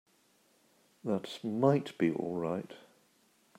That might be all right.